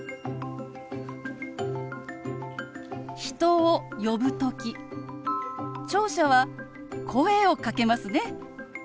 人を呼ぶ時聴者は声をかけますね。